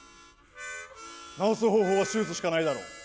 治す方法は手術しかないだろう。